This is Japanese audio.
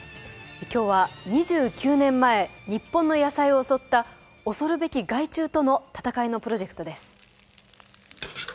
今日は２９年前日本の野菜を襲った恐るべき害虫とのたたかいのプロジェクトです。